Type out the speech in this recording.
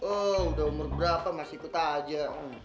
oh udah umur berapa masih ikut aja